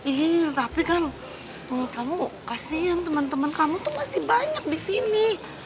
iya tapi kan kamu kasian temen temen kamu tuh masih banyak di sini